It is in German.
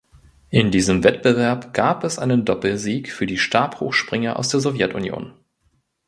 In diesem Wettbewerb gab es einen Doppelsieg für die Stabhochspringer aus der Sowjetunion.